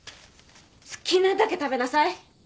好きなだけ食べなさい。